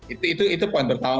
itu poin pertama